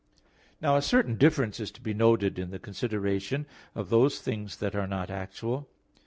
Now a certain difference is to be noted in the consideration of those things that are not actual.